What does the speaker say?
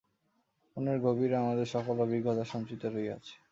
মনের গভীরে আমাদের সকল অভিজ্ঞতা সঞ্চিত রহিয়াছে।